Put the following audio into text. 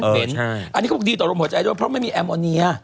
เห็นอันนี้เขาบอกดีต่อลมหัวใจด้วยเพราะไม่มีแอมโอเนีย